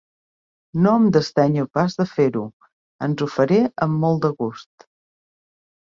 No em desdenyo pas de fer-ho, ans ho faré amb molt de gust.